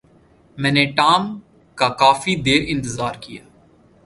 میں نے ٹام کا کافی دیر انتظار کیا۔